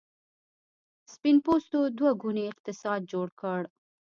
سپین پوستو دوه ګونی اقتصاد جوړ کړ.